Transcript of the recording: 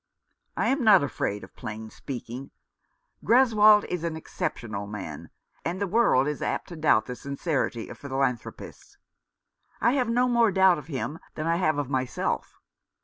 " I am not afraid of plain speaking. Greswold is an exceptional man, and the world is apt to doubt the sincerity of philanthropists. I have no more doubt of him than I have of myself.